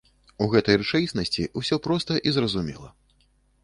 У гэтай рэчаіснасці ўсё проста і зразумела.